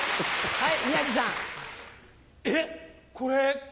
はい。